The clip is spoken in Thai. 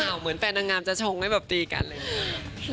ข่าวเหมือนแฟนดังงามจะชงให้ตีกันเลย